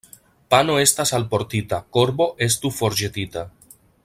Pano estas alportita, korbo estu forĵetita.